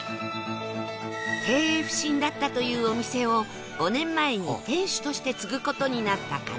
経営不振だったというお店を５年前に店主として継ぐ事になった金井さん